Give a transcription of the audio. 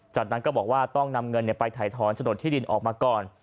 จากนั้นก็บอกว่าต้องนำเงินไปถ่ายถอนโฉนดที่ดินออกมาก่อน